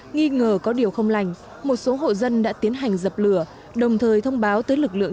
nghi ngờ có điều không lành một số hộ dân đã tiến hành dập lửa đồng thời thông báo tới lực lượng